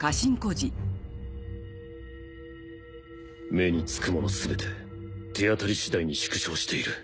目につくものすべて手当たりしだいに縮小している。